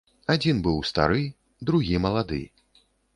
Адзін быў стары, другі малады.